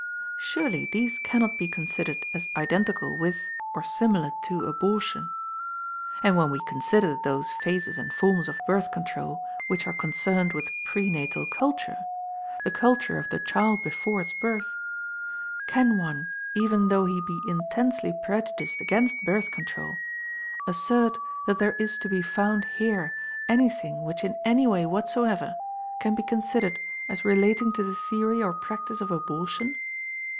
Surely these cannot be considered as identical with or similar to abortion. And when we consider those phases and forms of Birth Control which are concerned with Pre Natal Culture the culture of the child before its birth can one, even though he be intensely prejudiced against Birth Control, assert that there is to be found here anything which in any way whatsoever can be considered as relating to the theory or practice of abortion?